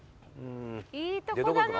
いいとこだな。